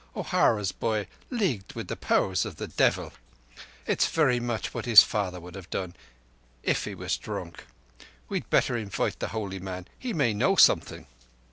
O'Hara's boy leagued with all the Powers of Darkness. It's very much what his father would have done if he was drunk. We'd better invite the holy man. He may know something."